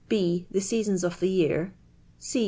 B. The seasons of the year. | (J.